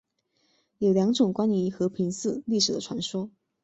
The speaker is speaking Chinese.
有两种关于和平寺历史的传说。